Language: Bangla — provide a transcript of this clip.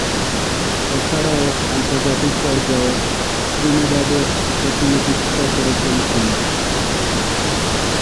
এছাড়াও আন্তর্জাতিক পর্যায়ে ত্রিনিদাদের প্রতিনিধিত্ব করেছেন তিনি।